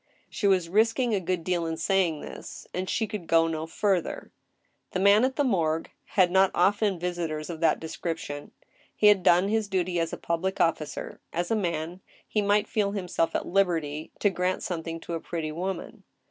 She was risking a good deal in saying this, and she could go no further. The man at the morgue had not often visitors of that description. He had done his duty as a public officer ; as a man, he might feel himself at liberty to grant something to a pretty woman.